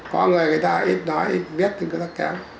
có người người ta ít nói ít viết thì người ta kém